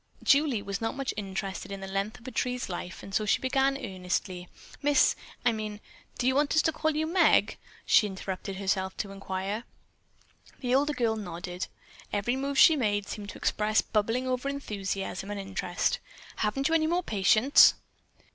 Julie was not much interested in the length of a tree's life and so she began eagerly: "Miss I mean do you want us to call you Meg?" she interrupted herself to inquire. The older girl nodded. Every move she made seemed to express bubbling over enthusiasm and interest. "Haven't you any more patients?"